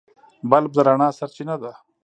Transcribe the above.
بلب د رڼا سرچینه ده.